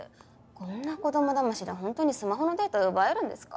こんな子供だましでホントにスマホのデータを奪えるんですか？